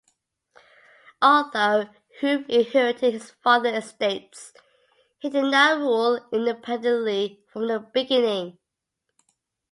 Although Hugh inherited his father's estates, he did not rule independently from the beginning.